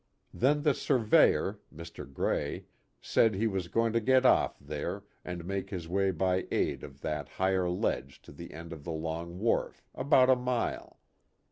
Then the Surveyor, Mr. Giey, said he was going to get off there, and make his way by aid of that higher ledge lo the end of the long wharf, about a mile.